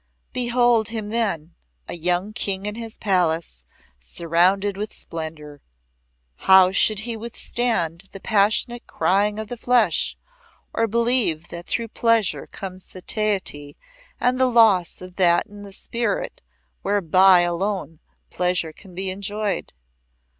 Behold him then, a young King in his palace, surrounded with splendour. How should he withstand the passionate crying of the flesh or believe that through pleasure comes satiety and the loss of that in the spirit whereby alone pleasure can be enjoyed?